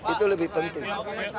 itu lebih penting